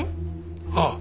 ああ。